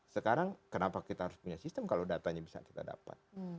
sekarang kenapa kita harus punya sistem kalau datanya bisa kita dapat